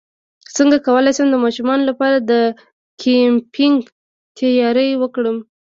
څنګه کولی شم د ماشومانو لپاره د کیمپینګ تیاری وکړم